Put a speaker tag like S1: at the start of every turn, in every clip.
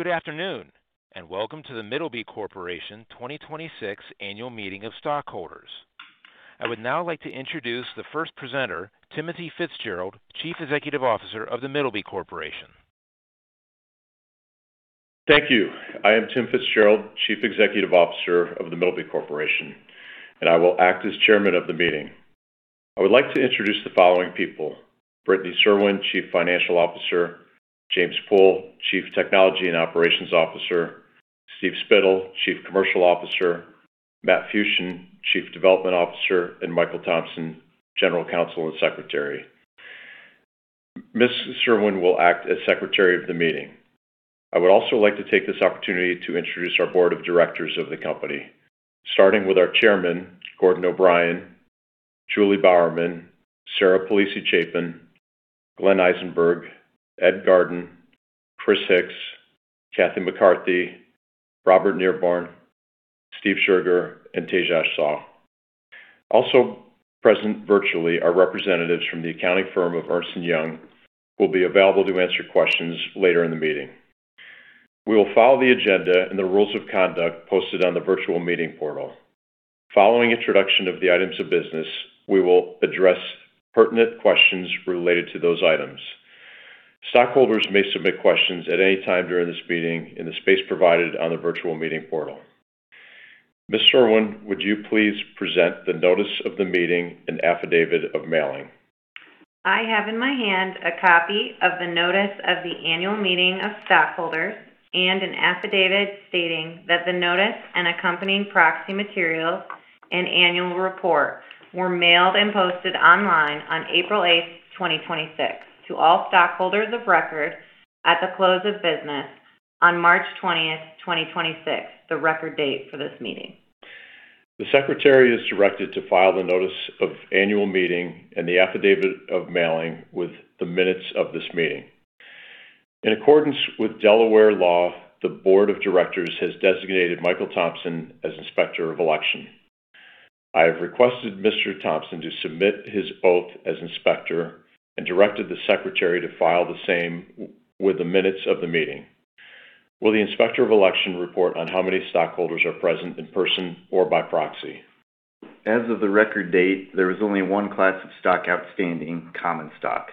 S1: Good afternoon, welcome to The Middleby Corporation 2026 Annual Meeting of Stockholders. I would now like to introduce the first presenter, Timothy FitzGerald, Chief Executive Officer of The Middleby Corporation.
S2: Thank you. I am Tim FitzGerald, Chief Executive Officer of The Middleby Corporation, and I will act as Chairman of the meeting. I would like to introduce the following people: Brittany Cerwin, Chief Financial Officer, James K. Pool III, Chief Technology and Operations Officer, Steve Spittle, Chief Commercial Officer, Matthew Fuchsen, Chief Development Officer, and Michael D. Thompson, General Counsel and Secretary. Ms. Cerwin will act as Secretary of the meeting. I would also like to take this opportunity to introduce our Board of Directors of the company, starting with our Chairman, Gordon J. O'Brien, Julie M. Bowerman, Sarah Palisi Chapin, Glenn A. Eisenberg, Edward P. Garden, Christopher Hix, Cathy L. McCarthy, Robert A. Nerbonne, Stephen R. Scherger, and Tejas P. Shah. Also present virtually are representatives from the accounting firm of Ernst & Young who will be available to answer questions later in the meeting. We will follow the agenda and the rules of conduct posted on the virtual meeting portal. Following introduction of the items of business, we will address pertinent questions related to those items. Stockholders may submit questions at any time during this meeting in the space provided on the virtual meeting portal. Ms. Cerwin, would you please present the notice of the meeting and affidavit of mailing?
S3: I have in my hand a copy of the notice of the annual meeting of stockholders and an affidavit stating that the notice and accompanying proxy materials and annual report were mailed and posted online on April 8th, 2026, to all stockholders of record at the close of business on March 20th, 2026, the record date for this meeting.
S2: The Secretary is directed to file the notice of annual meeting and the affidavit of mailing with the minutes of this meeting. In accordance with Delaware law, the Board of Directors has designated Michael Thompson as Inspector of Election. I have requested Mr. Thompson to submit his oath as inspector and directed the Secretary to file the same with the minutes of the meeting. Will the Inspector of Election report on how many stockholders are present in person or by proxy?
S4: As of the record date, there is only one class of stock outstanding common stock.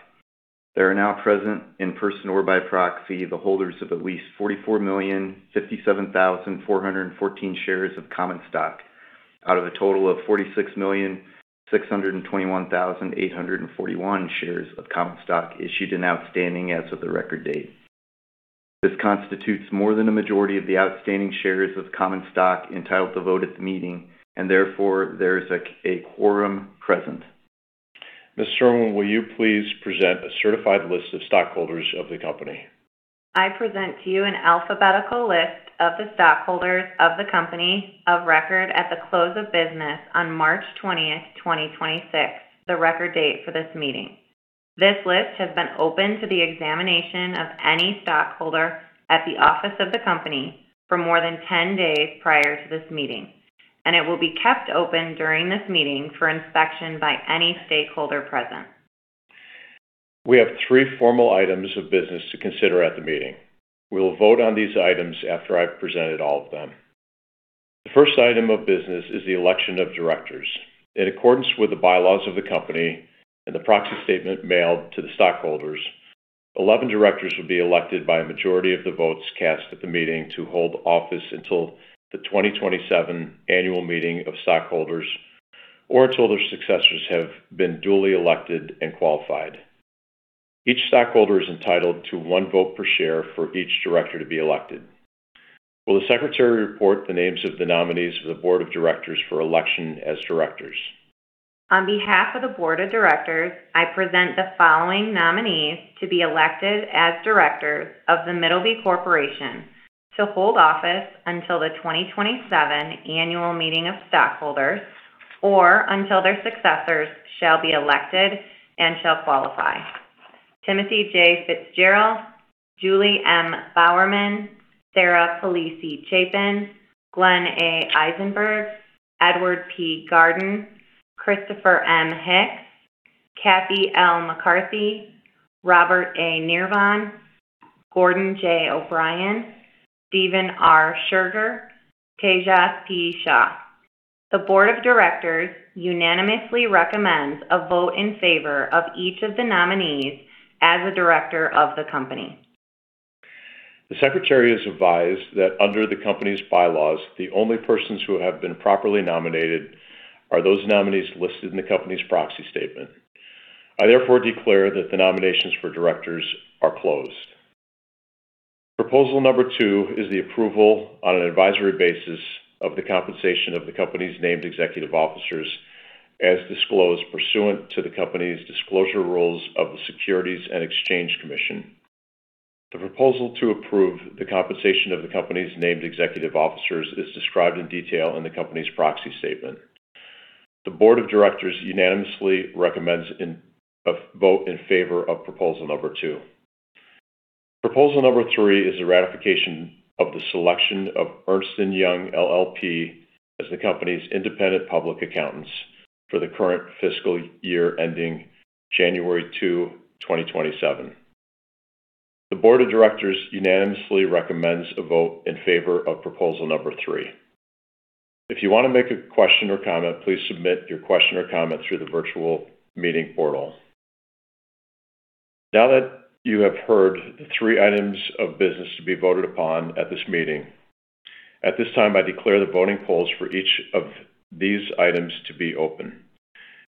S4: There are now present in person or by proxy the holders of at least 44,057,414 shares of common stock out of a total of 46,621,841 shares of common stock issued and outstanding as of the record date. This constitutes more than a majority of the outstanding shares of common stock entitled to vote at the meeting, and therefore, there is a quorum present.
S2: Ms. Cerwin, will you please present a certified list of stockholders of the company?
S3: I present to you an alphabetical list of the stockholders of the company of record at the close of business on March 20th, 2026, the record date for this meeting. This list has been open to the examination of any stockholder at the office of the company for more than 10 days prior to this meeting, and it will be kept open during this meeting for inspection by any stakeholder present.
S2: We have three formal items of business to consider at the meeting. We will vote on these items after I've presented all of them. The first item of business is the election of directors. In accordance with the bylaws of the company and the proxy statement mailed to the stockholders, 11 directors will be elected by a majority of the votes cast at the meeting to hold office until the 2027 Annual Meeting of Stockholders or until their successors have been duly elected and qualified. Each stockholder is entitled to one vote per share for each director to be elected. Will the secretary report the names of the nominees for the board of directors for election as directors?
S3: On behalf of the Board of Directors, I present the following nominees to be elected as directors of The Middleby Corporation to hold office until the 2027 Annual Meeting of Stockholders or until their successors shall be elected and shall qualify. Timothy J. FitzGerald, Julie M. Bowerman, Sarah Palisi Chapin, Glenn A. Eisenberg, Edward P. Garden, Christopher M. Hix, Cathy L. McCarthy, Robert A. Nerbonne, Gordon J. O'Brien, Stephen R. Scherger, Tejas P. Shah. The Board of Directors unanimously recommends a vote in favor of each of the nominees as a director of the company.
S2: The secretary is advised that under the company's bylaws, the only persons who have been properly nominated are those nominees listed in the company's proxy statement. I therefore declare that the nominations for directors are closed. Proposal number two is the approval on an advisory basis of the compensation of the company's named executive officers as disclosed pursuant to the company's disclosure rules of the Securities and Exchange Commission. The proposal to approve the compensation of the company's named executive officers is described in detail in the company's proxy statement. The Board of Directors unanimously recommends a vote in favor of proposal number two. Proposal number three is a ratification of the selection of Ernst & Young LLP as the company's independent public accountants for the current fiscal year ending January 2, 2027. The Board of Directors unanimously recommends a vote in favor of proposal number three. If you want to make a question or comment, please submit your question or comment through the virtual meeting portal. Now that you have heard the three items of business to be voted upon at this meeting, at this time, I declare the voting polls for each of these items to be open.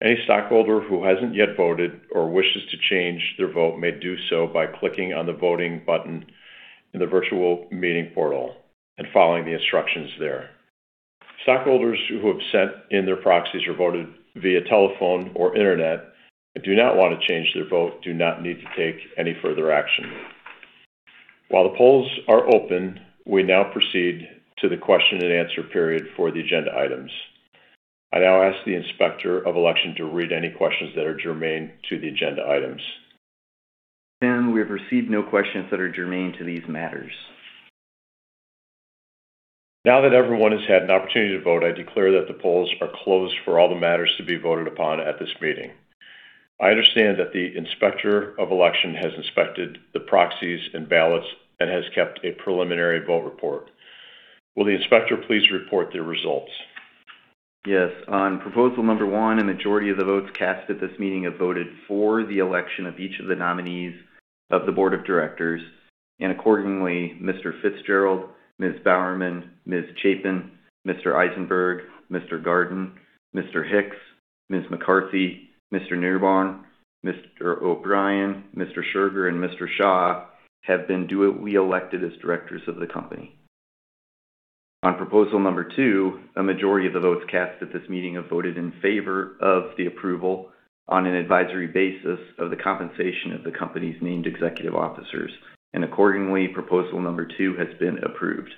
S2: Any stockholder who hasn't yet voted or wishes to change their vote may do so by clicking on the voting button in the virtual meeting portal and following the instructions there. Stockholders who have sent in their proxies or voted via telephone or internet and do not want to change their vote do not need to take any further action. While the polls are open, we now proceed to the question and answer period for the agenda items. I now ask the Inspector of Election to read any questions that are germane to the agenda items.
S4: Tim, we have received no questions that are germane to these matters.
S2: Now that everyone has had an opportunity to vote, I declare that the polls are closed for all the matters to be voted upon at this meeting. I understand that the Inspector of Election has inspected the proxies and ballots and has kept a preliminary vote report. Will the inspector please report the results?
S4: Yes, on proposal one, a majority of the votes cast at this meeting have voted for the election of each of the nominees of the Board of Directors. Accordingly, Mr. FitzGerald, Ms. Bowerman, Ms. Chapin, Mr. Eisenberg, Mr. Garden, Mr. Hix, Ms. McCarthy, Mr. Nerbonne, Mr. O'Brien, Mr. Scherger, and Mr. Shah have been duly elected as directors of the company. On proposal two, a majority of the votes cast at this meeting have voted in favor of the approval on an advisory basis of the compensation of the company's named executive officers. Accordingly, proposal two has been approved.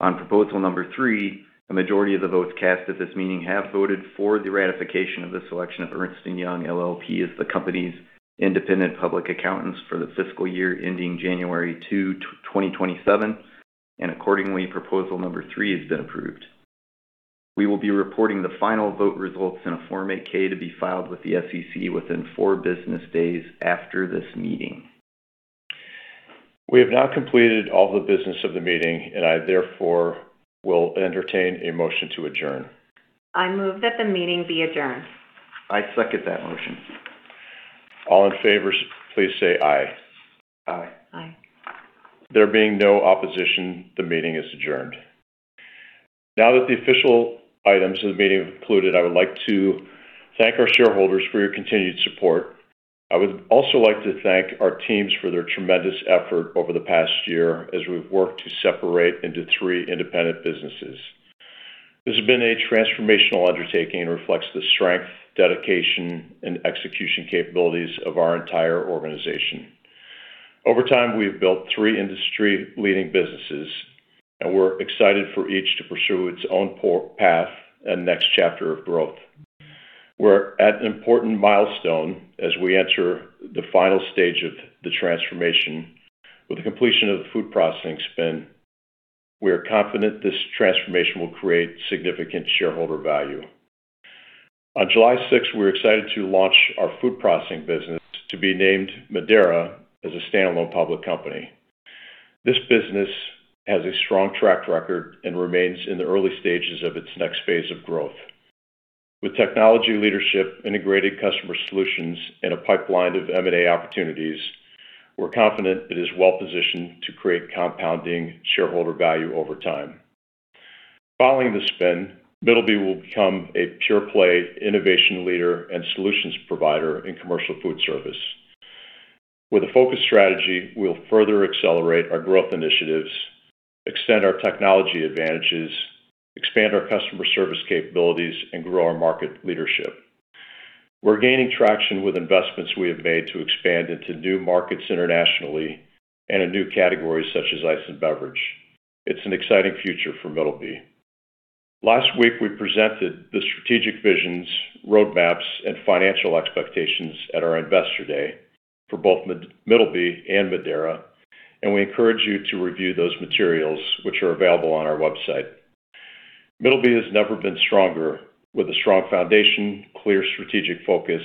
S4: On proposal number three, a majority of the votes cast at this meeting have voted for the ratification of the selection of Ernst & Young LLP as the company's independent public accountants for the fiscal year ending January 2, 2027, and accordingly, proposal number three has been approved. We will be reporting the final vote results in a Form 8-K to be filed with the SEC within four business days after this meeting.
S2: We have now completed all the business of the meeting. I therefore will entertain a motion to adjourn.
S3: I move that the meeting be adjourned.
S4: I second that motion.
S2: All in favor, please say aye.
S4: Aye.
S3: Aye.
S2: There being no opposition, the meeting is adjourned. Now that the official items of the meeting have concluded, I would like to thank our shareholders for your continued support. I would also like to thank our teams for their tremendous effort over the past year as we've worked to separate into three independent businesses. This has been a transformational undertaking and reflects the strength, dedication, and execution capabilities of our entire organization. Over time, we have built three industry-leading businesses, and we're excited for each to pursue its own path and next chapter of growth. We're at an important milestone as we enter the final stage of the transformation with the completion of the food processing spin. We are confident this transformation will create significant shareholder value. On July 6th, we're excited to launch our food processing business to be named Midera as a standalone public company. This business has a strong track record and remains in the early stages of its next phase of growth. With technology leadership, integrated customer solutions, and a pipeline of M&A opportunities, we're confident it is well-positioned to create compounding shareholder value over time. Following the spin, Middleby will become a pure-play innovation leader and solutions provider in commercial food service. With a focused strategy, we'll further accelerate our growth initiatives, extend our technology advantages, expand our customer service capabilities, and grow our market leadership. We're gaining traction with investments we have made to expand into new markets internationally and in new categories such as ice and beverage. It's an exciting future for Middleby. Last week, we presented the strategic visions, roadmaps, and financial expectations at our investor day for both Middleby and Midera, and we encourage you to review those materials which are available on our website. Middleby has never been stronger. With a strong foundation, clear strategic focus,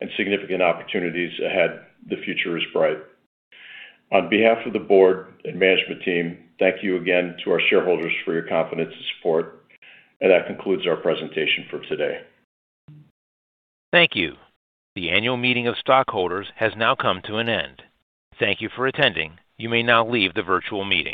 S2: and significant opportunities ahead, the future is bright. On behalf of the board and management team, thank you again to our shareholders for your confidence and support. That concludes our presentation for today.
S1: Thank you. The annual meeting of stockholders has now come to an end. Thank you for attending. You may now leave the virtual meeting.